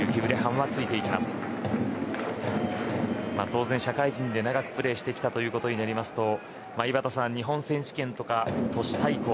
当然、社会人で長くプレーしてきたということになりますと井端さん、日本選手権と都市対抗